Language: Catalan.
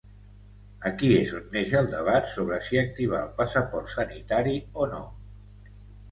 Aquí és on neix el debat sobre si activar el passaport sanitari o no.